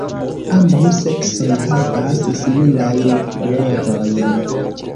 Ambaŭ seksoj havas similajn kolorojn.